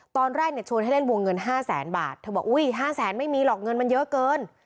ตอนแรกชวนให้เล่นวงเงิน๕๐๐๐๐๐บาทเธอบอกอุ๊ย๕๐๐๐๐๐ไม่มีหรอกเงินมันเยอะเกิน